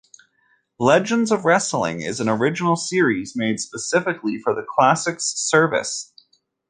"Legends of Wrestling" is an original series made specifically for the Classics service.